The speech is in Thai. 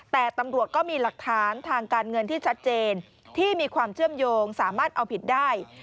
แต่ตำรวจก็มีหลักฐานทางการเงินที่ชัดเจนที่มีความเชื่อมโยงสามารถเอาผิดได้